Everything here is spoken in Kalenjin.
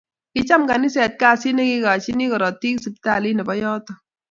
Kicham kaniset kasit na kikikachini karotik siptalit nebo yoto